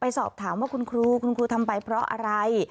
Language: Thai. ไปสอบถามว่าคุณครูทำไปเพราะอะไร